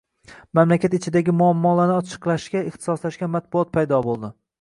mamlakat ichidagi muammolarni ochiqlashga ixtisoslashgan matbuot paydo bo‘ldi.